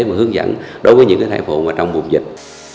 và hướng dẫn đối với những thai phụ trong vùng dịch